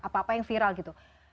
apa apa yang viral gitu